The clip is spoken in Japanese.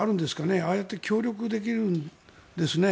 ああやって協力できるんですね。